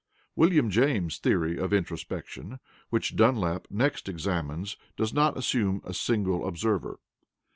William James's theory of introspection, which Dunlap next examines, does not assume a single observer.